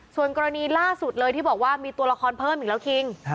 ส่วนกรณีล่าสุดเลยที่บอกว่ามีตัวละครเพิ่มอีกแล้วคิง